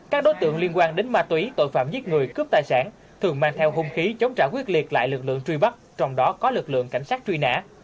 các đối tượng liên quan đến ma túy tội phạm giết người cướp tài sản thường mang theo hung khí chống trả quyết liệt lại lực lượng truy bắt trong đó có lực lượng cảnh sát truy nã